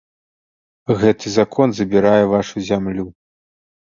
Гэты закон забірае вашу зямлю.